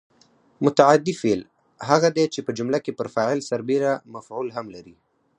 متعدي فعل هغه دی چې په جمله کې پر فاعل سربېره مفعول هم لري.